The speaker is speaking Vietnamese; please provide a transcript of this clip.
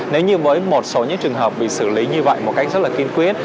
nếu như với một số những trường hợp bị xử lý như vậy một cách rất là kiên quyết